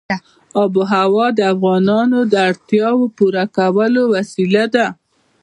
آب وهوا د افغانانو د اړتیاوو د پوره کولو وسیله ده.